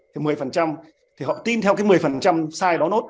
thì một mươi thì họ tin theo cái một mươi sai đó nốt